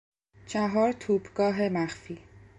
چهار توپگاه مخفی